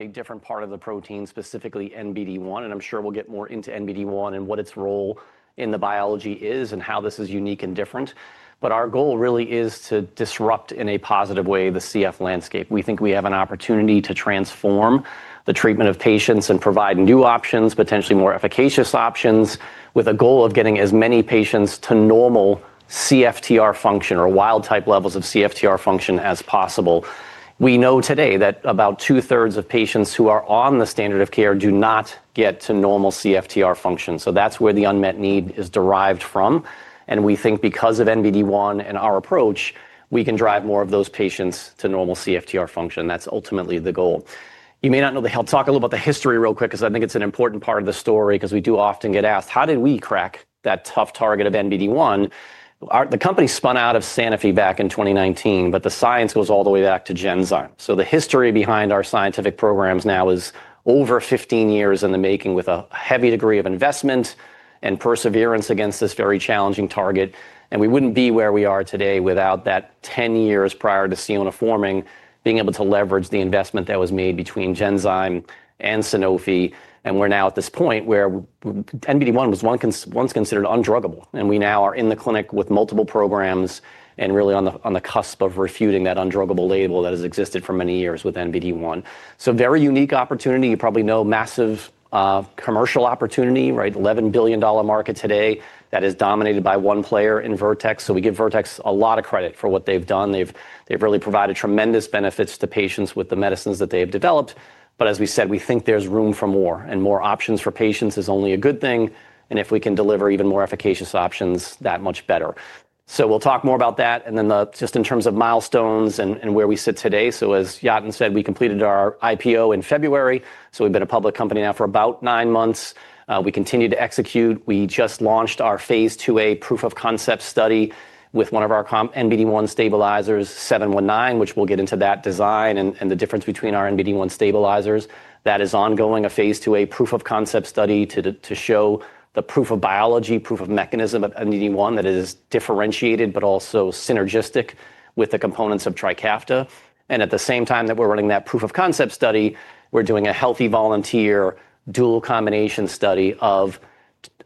A different part of the protein, specifically NBD1, and I'm sure we'll get more into NBD1 and what its role in the biology is and how this is unique and different. Our goal really is to disrupt, in a positive way, the CF landscape. We think we have an opportunity to transform the treatment of patients and provide new options, potentially more efficacious options, with a goal of getting as many patients to normal CFTR function or wild-type levels of CFTR function as possible. We know today that about two-thirds of patients who are on the standard of care do not get to normal CFTR function. So that's where the unmet need is derived from. And we think because of NBD1 and our approach, we can drive more of those patients to normal CFTR function. That's ultimately the goal. You may not know the—I'll talk a little about the history real quick because I think it's an important part of the story, because we do often get asked, how did we crack that tough target of NBD1? The company spun out of Sanofi back in 2019, but the science goes all the way back to Genzyme. So the history behind our scientific programs now is over 15 years in the making with a heavy degree of investment and perseverance against this very challenging target. And we wouldn't be where we are today without that 10 years prior to Sionna forming, being able to leverage the investment that was made between Genzyme and Sanofi. And we're now at this point where NBD1 was once considered undruggable. And we now are in the clinic with multiple programs and really on the cusp of refuting that undruggable label that has existed for many years with NBD1. So very unique opportunity. You probably know massive commercial opportunity, right? $11 billion market today that is dominated by one player in Vertex. So we give Vertex a lot of credit for what they've done. They've really provided tremendous benefits to patients with the medicines that they have developed. But as we said, we think there's room for more, and more options for patients is only a good thing. And if we can deliver even more efficacious options, that much better. So we'll talk more about that. And then just in terms of milestones and where we sit today, so as Yatin said, we completed our IPO in February. So we've been a public company now for about nine months. We continue to execute. We just launched our phase II-A proof-of-concept study with one of our NBD1 stabilizers, 719, which we'll get into that design and the difference between our NBD1 stabilizers. That is ongoing, a phase II-A proof-of-concept study to show the proof of biology, proof of mechanism of NBD1 that is differentiated but also synergistic with the components of Trikafta. And at the same time that we're running that proof-of-concept study, we're doing a healthy volunteer dual combination study of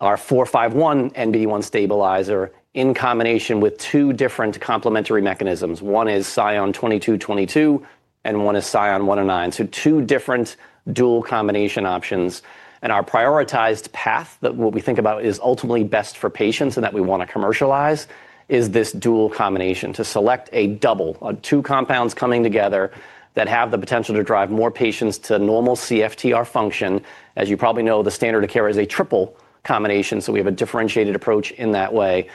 our 451 NBD1 stabilizer in combination with two different complementary mechanisms. One is SION-2222, and one is SION-109. So two different dual combination options. Our prioritized path that what we think about is ultimately best for patients and that we want to commercialize is this dual combination to select a double, two compounds coming together that have the potential to drive more patients to normal CFTR function. As you probably know, the standard of care is a triple combination. So we have a differentiated approach in that way.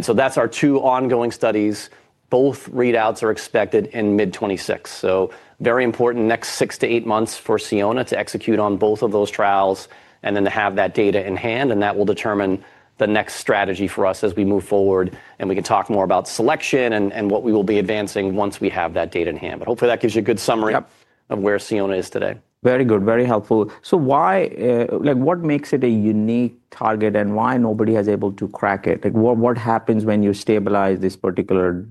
So that's our two ongoing studies. Both readouts are expected in mid-2026. So very important next six to eight months for Sionna to execute on both of those trials and then to have that data in hand. That will determine the next strategy for us as we move forward. We can talk more about selection and what we will be advancing once we have that data in hand. But hopefully that gives you a good summary of where Sionna is today. Very good. Very helpful. So what makes it a unique target and why nobody has been able to crack it? What happens when you stabilize this particular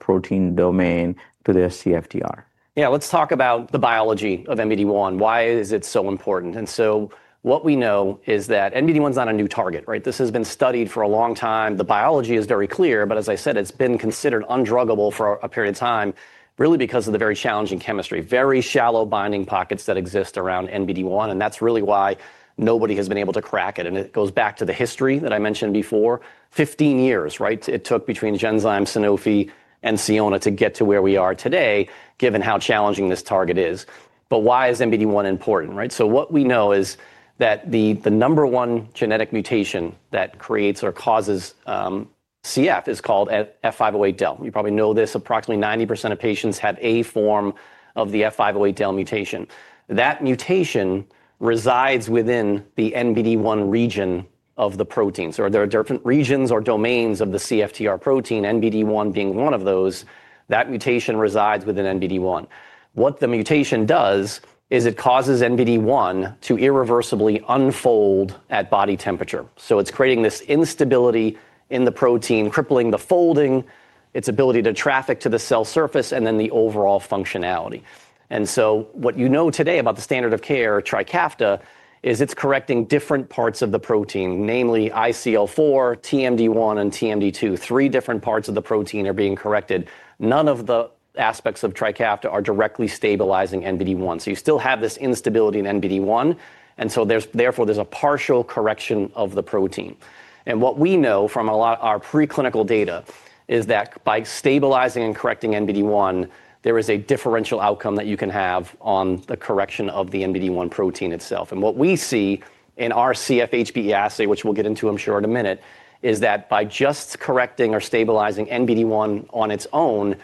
protein domain to their CFTR? Yeah, let's talk about the biology of NBD1. Why is it so important? And so what we know is that NBD1 is not a new target, right? This has been studied for a long time. The biology is very clear, but as I said, it's been considered undruggable for a period of time really because of the very challenging chemistry, very shallow binding pockets that exist around NBD1. And that's really why nobody has been able to crack it. And it goes back to the history that I mentioned before, 15 years, right? It took between Genzyme, Sanofi, and Sionna to get to where we are today, given how challenging this target is. But why is NBD1 important, right? So what we know is that the number one genetic mutation that creates or causes CF is called F508del. You probably know this. Approximately 90% of patients have a form of the F508del mutation. That mutation resides within the NBD1 region of the protein. So there are different regions or domains of the CFTR protein, NBD1 being one of those. That mutation resides within NBD1. What the mutation does is it causes NBD1 to irreversibly unfold at body temperature. So it's creating this instability in the protein, crippling the folding, its ability to traffic to the cell surface, and then the overall functionality. And so what you know today about the standard of care, Trikafta, is it's correcting different parts of the protein, namely ICL4, TMD1, and TMD2. Three different parts of the protein are being corrected. None of the aspects of Trikafta are directly stabilizing NBD1. So you still have this instability in NBD1. And so therefore, there's a partial correction of the protein. And what we know from our preclinical data is that by stabilizing and correcting NBD1, there is a differential outcome that you can have on the correction of the NBD1 protein itself. And what we see in our CFHBE assay, which we'll get into, I'm sure, in a minute, is that by just correcting or stabilizing NBD1 on its own,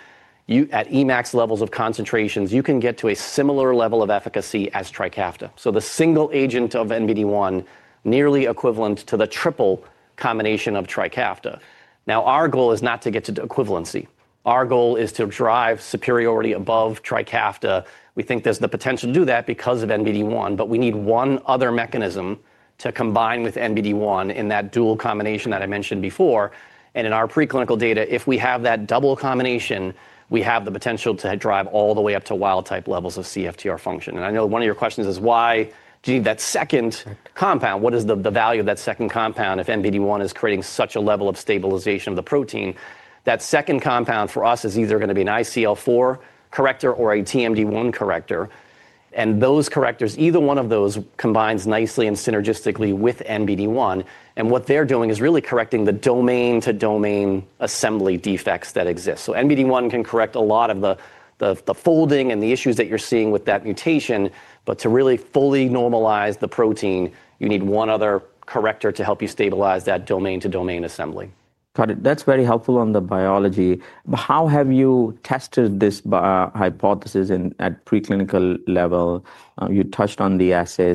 at Emax levels of concentrations, you can get to a similar level of efficacy as Trikafta. So the single agent of NBD1, nearly equivalent to the triple combination of Trikafta. Now, our goal is not to get to equivalency. Our goal is to drive superiority above Trikafta. We think there's the potential to do that because of NBD1, but we need one other mechanism to combine with NBD1 in that dual combination that I mentioned before. And in our preclinical data, if we have that double combination, we have the potential to drive all the way up to wild-type levels of CFTR function. And I know one of your questions is, why do you need that second compound? What is the value of that second compound if NBD1 is creating such a level of stabilization of the protein? That second compound for us is either going to be an ICL4 corrector or a TMD1 corrector. And those correctors, either one of those combines nicely and synergistically with NBD1. And what they're doing is really correcting the domain-to-domain assembly defects that exist. So NBD1 can correct a lot of the folding and the issues that you're seeing with that mutation. But to really fully normalize the protein, you need one other corrector to help you stabilize that domain-to-domain assembly. Got it. That's very helpful on the biology. But how have you tested this hypothesis at preclinical level? You touched on the assay,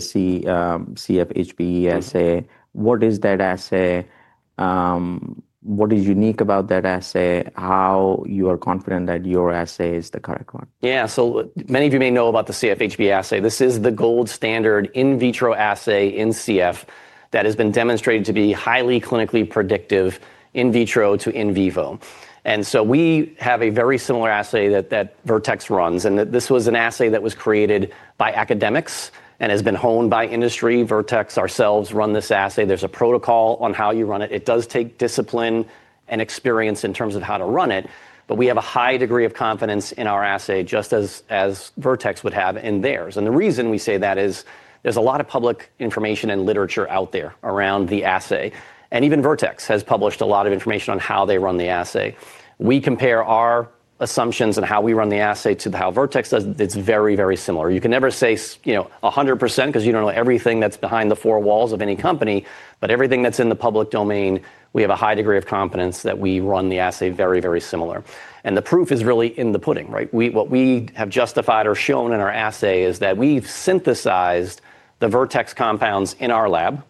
CFHBE assay. What is that assay? What is unique about that assay? How are you confident that your assay is the correct one? Yeah, so many of you may know about the CFHBE assay. This is the gold standard in vitro assay in CF that has been demonstrated to be highly clinically predictive in vitro to in vivo. And so we have a very similar assay that Vertex runs. And this was an assay that was created by academics and has been honed by industry. Vertex, ourselves, run this assay. There's a protocol on how you run it. It does take discipline and experience in terms of how to run it. But we have a high degree of confidence in our assay, just as Vertex would have in theirs. And the reason we say that is there's a lot of public information and literature out there around the assay. And even Vertex has published a lot of information on how they run the assay. We compare our assumptions and how we run the assay to how Vertex does. It's very, very similar. You can never say 100% because you don't know everything that's behind the four walls of any company. But everything that's in the public domain, we have a high degree of confidence that we run the assay very, very similar. And the proof is really in the pudding, right? What we have justified or shown in our assay is that we've synthesized the Vertex compounds in our lab.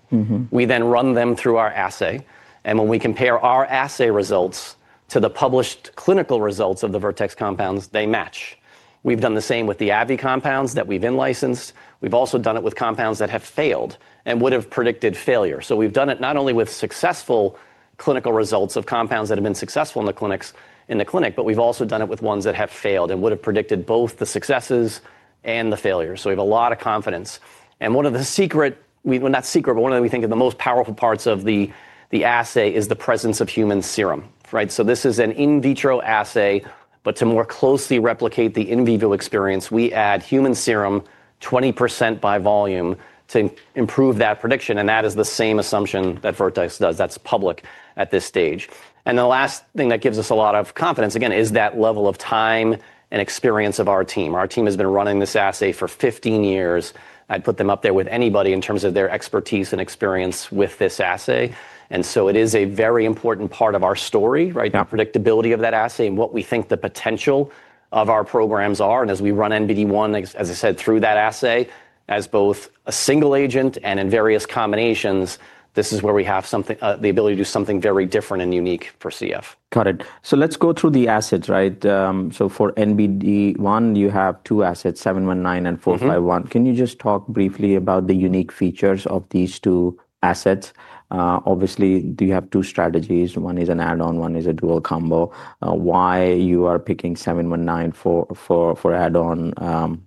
We then run them through our assay. And when we compare our assay results to the published clinical results of the Vertex compounds, they match. We've done the same with the ABBV compounds that we've in-licensed. We've also done it with compounds that have failed and would have predicted failure. So we've done it not only with successful clinical results of compounds that have been successful in the clinics, in the clinic, but we've also done it with ones that have failed and would have predicted both the successes and the failures. So we have a lot of confidence. And one of the secret, not secret, but one of the, we think, the most powerful parts of the assay is the presence of human serum, right? So this is an in vitro assay. But to more closely replicate the in vivo experience, we add human serum 20% by volume to improve that prediction. And that is the same assumption that Vertex does. That's public at this stage. And the last thing that gives us a lot of confidence, again, is that level of time and experience of our team. Our team has been running this assay for 15 years. I'd put them up there with anybody in terms of their expertise and experience with this assay. And so it is a very important part of our story, right? The predictability of that assay and what we think the potential of our programs are. And as we run NBD1, as I said, through that assay, as both a single agent and in various combinations, this is where we have the ability to do something very different and unique for CF. Got it. So let's go through the assets, right? So for NBD1, you have two assets, 719 and 451. Can you just talk briefly about the unique features of these two assets? Obviously, you have two strategies. One is an add-on, one is a dual combo. Why you are picking 719 for add-on?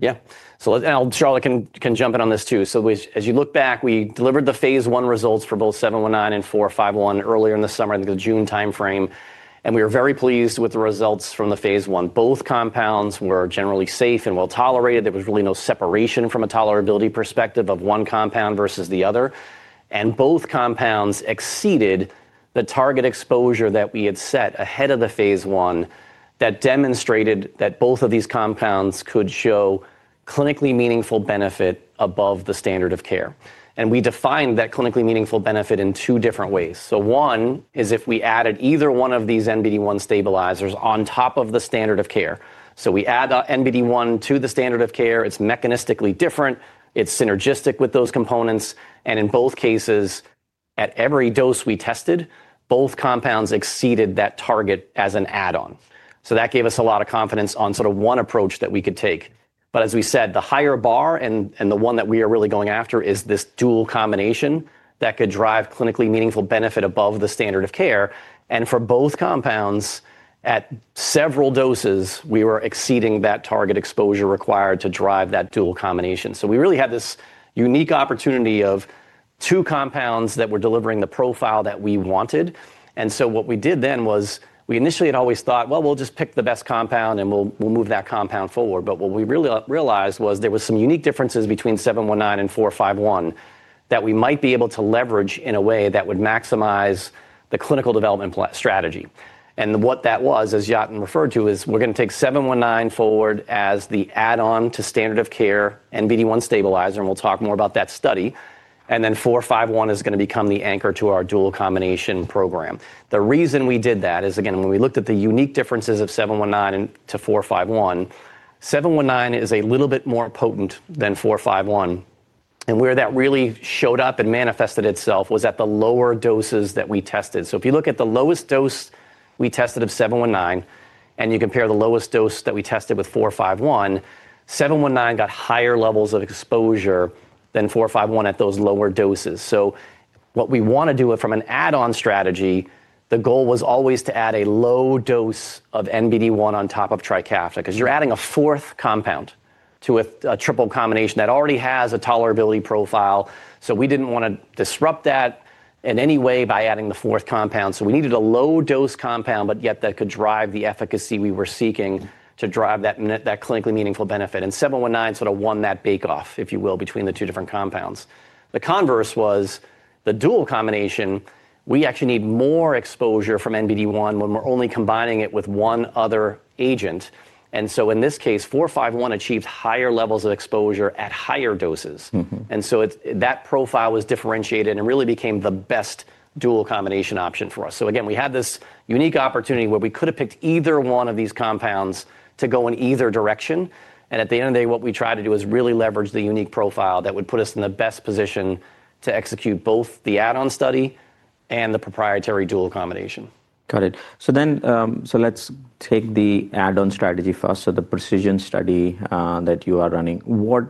Yeah. And Charlotte can jump in on this too. So as you look back, we delivered the phase I results for both 719 and 451 earlier in the summer, I think the June time frame. And we were very pleased with the results from the phase I. Both compounds were generally safe and well tolerated. There was really no separation from a tolerability perspective of one compound versus the other. And both compounds exceeded the target exposure that we had set ahead of the phase one that demonstrated that both of these compounds could show clinically meaningful benefit above the standard of care. And we defined that clinically meaningful benefit in two different ways. So one is if we added either one of these NBD1 stabilizers on top of the standard of care. So we add NBD1 to the standard of care. It's mechanistically different. It's synergistic with those components. And in both cases, at every dose we tested, both compounds exceeded that target as an add-on. So that gave us a lot of confidence on sort of one approach that we could take. But as we said, the higher bar and the one that we are really going after is this dual combination that could drive clinically meaningful benefit above the standard of care. And for both compounds, at several doses, we were exceeding that target exposure required to drive that dual combination. So we really had this unique opportunity of two compounds that were delivering the profile that we wanted. And so what we did then was we initially had always thought, well, we'll just pick the best compound and we'll move that compound forward. But what we really realized was there were some unique differences between 719 and 451 that we might be able to leverage in a way that would maximize the clinical development strategy. And what that was, as Yatin referred to, is we're going to take 719 forward as the add-on to standard of care NBD1 stabilizer. And we'll talk more about that study. And then 451 is going to become the anchor to our dual combination program. The reason we did that is, again, when we looked at the unique differences of 719 to 451, 719 is a little bit more potent than 451. And where that really showed up and manifested itself was at the lower doses that we tested. So if you look at the lowest dose we tested of 719 and you compare the lowest dose that we tested with 451, 719 got higher levels of exposure than 451 at those lower doses. So what we want to do from an add-on strategy, the goal was always to add a low dose of NBD1 on top of Trikafta because you're adding a fourth compound to a triple combination that already has a tolerability profile. So we didn't want to disrupt that in any way by adding the fourth compound. So we needed a low dose compound, but yet that could drive the efficacy we were seeking to drive that clinically meaningful benefit. And 719 sort of won that bake-off, if you will, between the two different compounds. The converse was the dual combination, we actually need more exposure from NBD1 when we're only combining it with one other agent. And so in this case, 451 achieved higher levels of exposure at higher doses. And so that profile was differentiated and really became the best dual combination option for us. So again, we had this unique opportunity where we could have picked either one of these compounds to go in either direction. And at the end of the day, what we tried to do is really leverage the unique profile that would put us in the best position to execute both the add-on study and the proprietary dual combination. Got it. So let's take the add-on strategy first. So the precision study that you are running, what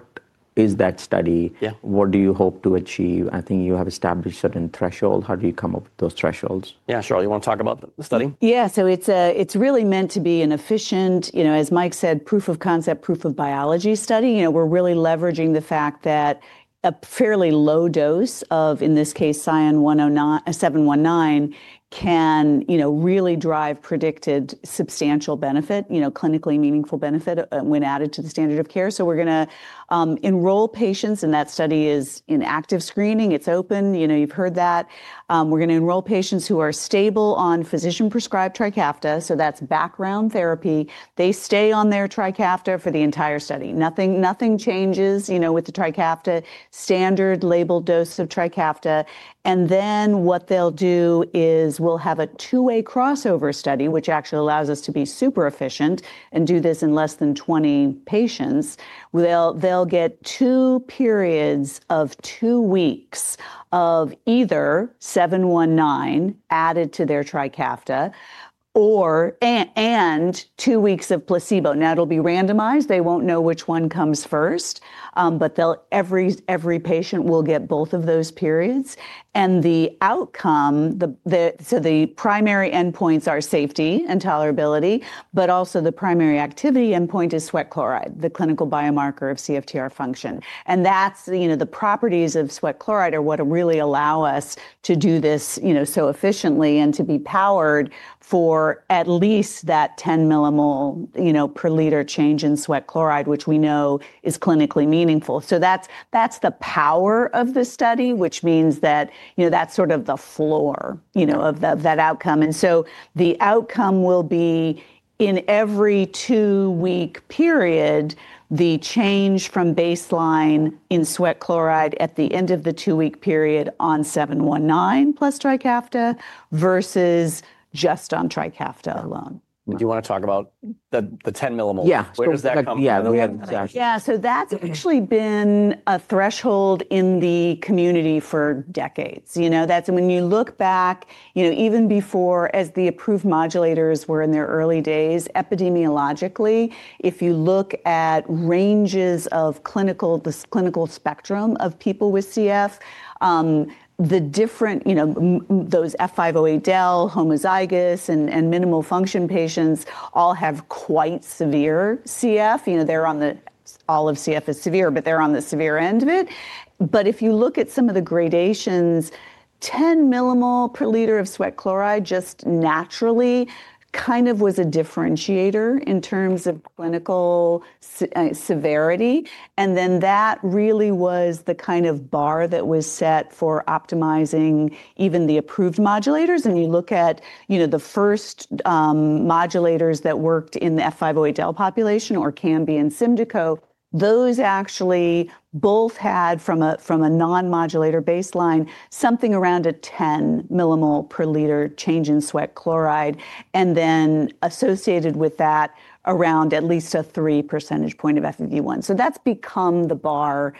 is that study? What do you hope to achieve? I think you have established certain thresholds. How do you come up with those thresholds? Yeah, Charlotte, you want to talk about the study? Yeah, so it's really meant to be an efficient, as Mike said, proof-of-concept, proof of biology study. We're really leveraging the fact that a fairly low dose of, in this case, 719 can really drive predicted substantial benefit, clinically meaningful benefit when added to the standard of care. So we're going to enroll patients, and that study is in active screening. It's open. You've heard that. We're going to enroll patients who are stable on physician-prescribed Trikafta. So that's background therapy. They stay on their Trikafta for the entire study. Nothing changes with the Trikafta, standard labeled dose of Trikafta. And then what they'll do is we'll have a two-way crossover study, which actually allows us to be super efficient and do this in less than 20 patients. They'll get two periods of two weeks of either 719 added to their Trikafta and two weeks of placebo. Now, it'll be randomized. They won't know which one comes first. But every patient will get both of those periods. And the outcome, so the primary endpoints are safety and tolerability, but also the primary activity endpoint is sweat chloride, the clinical biomarker of CFTR function. And the properties of sweat chloride are what really allow us to do this so efficiently and to be powered for at least that 10 mmol per liter change in sweat chloride, which we know is clinically meaningful. So that's the power of the study, which means that that's sort of the floor of that outcome. And so the outcome will be in every two-week period, the change from baseline in sweat chloride at the end of the two-week period on 719 plus Trikafta versus just on Trikafta alone. Do you want to talk about the 10 mmol? Yeah. Where does that come from? Yeah, so that's actually been a threshold in the community for decades. When you look back, even before as the approved modulators were in their early days, epidemiologically, if you look at ranges of this clinical spectrum of people with CF, those F508del, homozygous, and minimal function patients all have quite severe CF. All of CF is severe, but they're on the severe end of it. But if you look at some of the gradations, 10 mmol per liter of sweat chloride just naturally kind of was a differentiator in terms of clinical severity. And then that really was the kind of bar that was set for optimizing even the approved modulators. And you look at the first modulators that worked in the F508del population, Orkambi and Symdeko, those actually both had, from a non-modulator baseline, something around a 10 mmol per liter change in sweat chloride, and then associated with that around at least a three percentage point of FEV1. So that's become the bar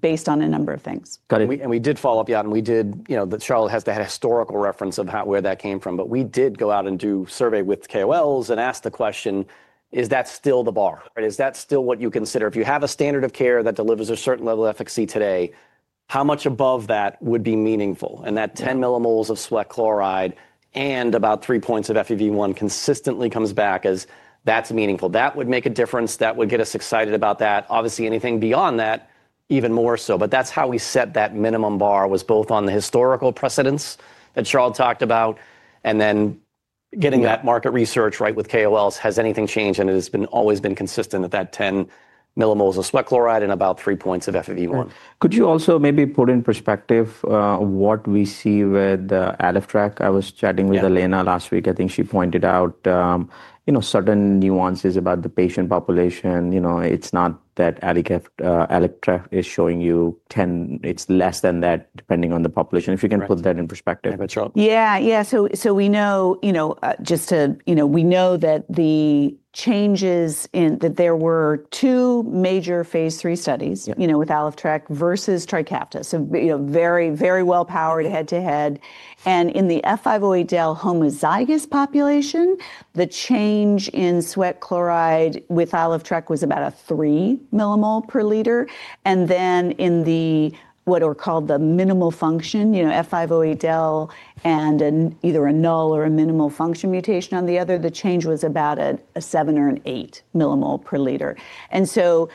based on a number of things. Got it. And we did follow up, Yatin. Charlotte has that historical reference of where that came from. But we did go out and do a survey with KOLs and ask the question, is that still the bar? Is that still what you consider? If you have a standard of care that delivers a certain level of efficacy today, how much above that would be meaningful? And that 10 mmol of sweat chloride and about three points of FEV1 consistently comes back as that's meaningful. That would make a difference. That would get us excited about that. Obviously, anything beyond that, even more so. But that's how we set that minimum bar, was both on the historical precedents that Charlotte talked about and then getting that market research, right, with KOLs. Has anything changed? And it has always been consistent at that 10 mmol of sweat chloride and about three points of FEV1. Could you also maybe put in perspective what we see with Alyftrek? I was chatting with Elena last week. I think she pointed out certain nuances about the patient population. It's not that Alyftrek is showing you 10. It's less than that, depending on the population. If you can put that in perspective. Yeah, yeah. So we know just to we know that the changes in that there were two major phase III studies with Alyftrek versus Trikafta. So very, very well-powered head-to-head. And in the F508del homozygous population, the change in sweat chloride with Alyftrek was about a three mmol per liter. And then in the what are called the minimal function, F508del and either a null or a minimal function mutation on the other, the change was about a seven or an eight mmol per liter. And so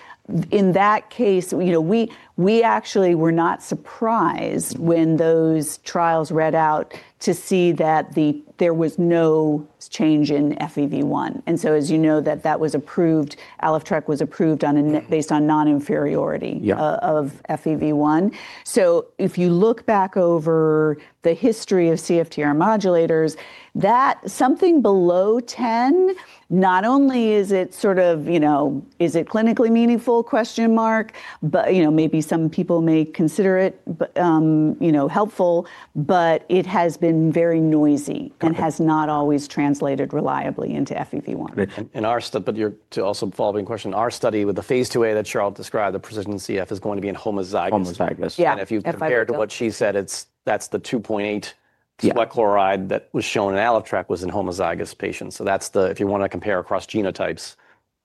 in that case, we actually were not surprised when those trials read out to see that there was no change in FEV1. And so as you know, that that was approved, Alyftrek was approved based on non-inferiority of FEV1. So if you look back over the history of CFTR modulators, that something below 10, not only is it sort of, is it clinically meaningful? Maybe some people may consider it helpful, but it has been very noisy and has not always translated reliably into FEV1. In our study, but to your also following question, our study with the phase II-A that Charlotte described, the precision CF is going to be in homozygous. Yeah. And if you compare to what she said, that's the 2.8 sweat chloride that was shown in Alyftrek was in homozygous patients. So if you want to compare across genotypes,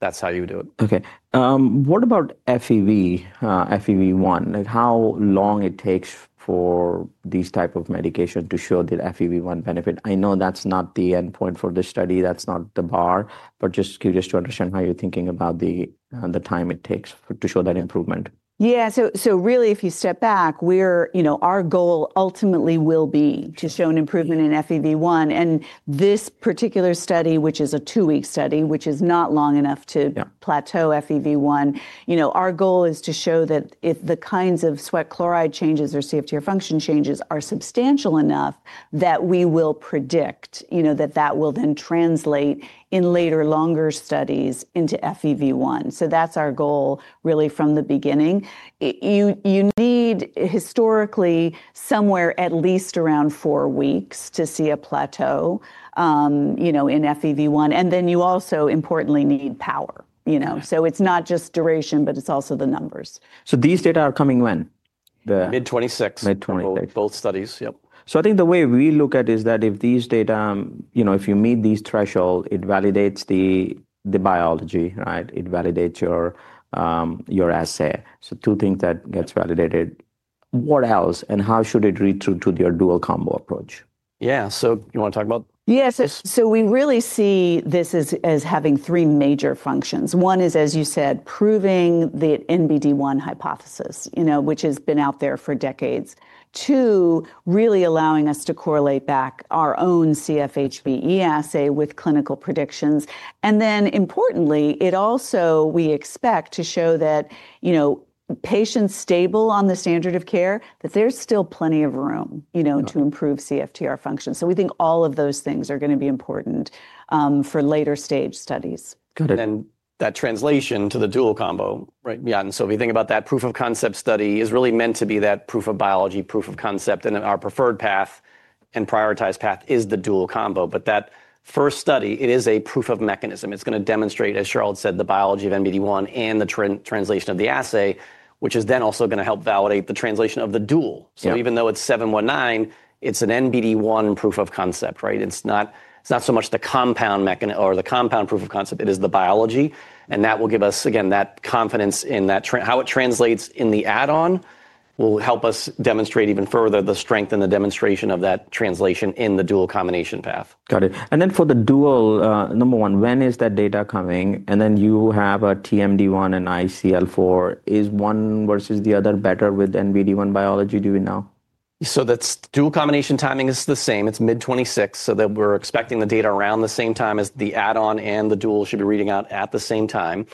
that's how you do it. Okay. What about FEV1? How long it takes for these types of medications to show the FEV1 benefit? I know that's not the endpoint for this study. That's not the bar. But just curious to understand how you're thinking about the time it takes to show that improvement. Yeah. So really, if you step back, our goal ultimately will be to show an improvement in FEV1. And this particular study, which is a two-week study, which is not long enough to plateau FEV1, our goal is to show that if the kinds of sweat chloride changes or CFTR function changes are substantial enough that we will predict that that will then translate in later longer studies into FEV1. So that's our goal really from the beginning. You need historically somewhere at least around four weeks to see a plateau in FEV1. And then you also importantly need power. So it's not just duration, but it's also the numbers. So these data are coming when? Mid-2026. Mid-2026. Both studies, yep. So I think the way we look at it is that if these data, if you meet these thresholds, it validates the biology, right? It validates your assay. So two things that get validated. What else? And how should it read through to their dual combo approach? Yeah. So you want to talk about? Yes. So we really see this as having three major functions. One is, as you said, proving the NBD1 hypothesis, which has been out there for decades. Two, really allowing us to correlate back our own CFHBE assay with clinical predictions. And then importantly, it also we expect to show that patients stable on the standard of care, that there's still plenty of room to improve CFTR function. So we think all of those things are going to be important for later stage studies. Got it. And then that translation to the dual combo, right, Yatin? So if you think about that proof-of-concept study is really meant to be that proof of biology, proof-of-concept. And our preferred path and prioritized path is the dual combo. But that first study, it is a proof of mechanism. It's going to demonstrate, as Charlotte said, the biology of NBD1 and the translation of the assay, which is then also going to help validate the translation of the dual. So even though it's 719, it's an NBD1 proof-of-concept, right? It's not so much the compound or the compound proof-of-concept. It is the biology. And that will give us, again, that confidence in that how it translates in the add-on will help us demonstrate even further the strength and the demonstration of that translation in the dual combination path. Got it. And then for the dual, number one, when is that data coming? And then you have a TMD1 and ICL4. Is one versus the other better with NBD1 biology doing now? So that's dual combination timing is the same. It's mid-2026. So that we're expecting the data around the same time as the add-on and the dual should be reading out at the same time.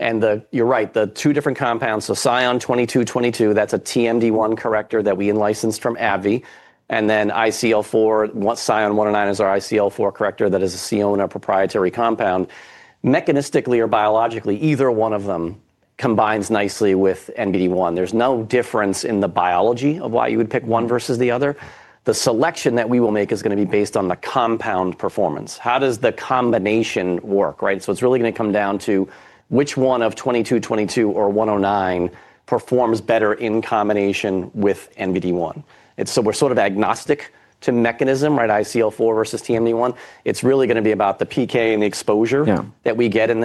And you're right, the two different compounds, so SION-2222, that's a TMD1 corrector that we licensed from AbbVie. And then ICL4, SION-109 is our ICL4 corrector that is a Sionna proprietary compound. Mechanistically or biologically, either one of them combines nicely with NBD1. There's no difference in the biology of why you would pick one versus the other. The selection that we will make is going to be based on the compound performance. How does the combination work, right? So it's really going to come down to which one of 2222 or 109 performs better in combination with NBD1. So we're sort of agnostic to mechanism, right? ICL4 versus TMD1. It's really going to be about the PK and the exposure that we get in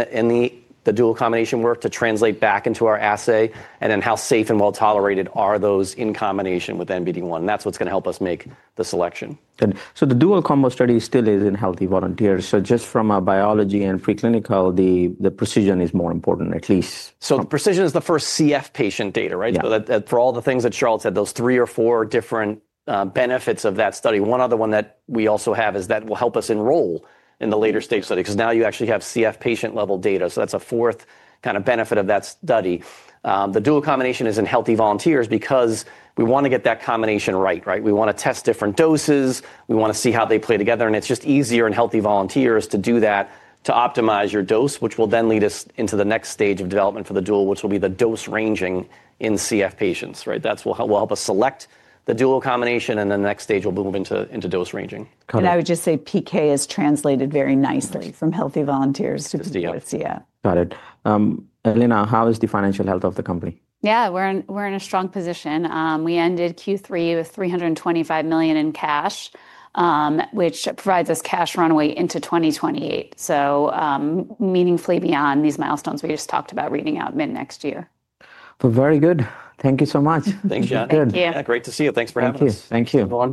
the dual combination work to translate back into our assay. And then how safe and well tolerated are those in combination with NBD1? And that's what's going to help us make the selection. And so the dual combo study still is in healthy volunteers. So just from a biology and preclinical, the precision is more important, at least. So precision is the first CF patient data, right? For all the things that Charlotte said, those three or four different benefits of that study. One other one that we also have is that will help us enroll in the later stage study. Because now you actually have CF patient-level data. So that's a fourth kind of benefit of that study. The dual combination is in healthy volunteers because we want to get that combination right, right? We want to test different doses. We want to see how they play together. And it's just easier in healthy volunteers to do that to optimize your dose, which will then lead us into the next stage of development for the dual, which will be the dose ranging in CF patients, right? That will help us select the dual combination. And then the next stage will move into dose ranging. And I would just say PK is translated very nicely from healthy volunteers to PK with CF. Got it. Elena, how is the financial health of the company? Yeah, we're in a strong position. We ended Q3 with $325 million in cash, which provides us cash runway into 2028. So meaningfully beyond these milestones we just talked about reading out mid next year. Well, very good. Thank you so much. Thanks, Yatin. Thank you. Yeah, great to see you. Thanks for having us. Thank you. Thank you.